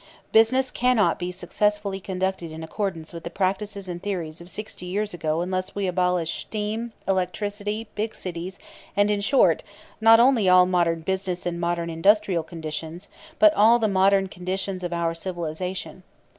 Business cannot be successfully conducted in accordance with the practices and theories of sixty years ago unless we abolish steam, electricity, big cities, and, in short, not only all modern business and modern industrial conditions, but all the modern conditions of our civilization.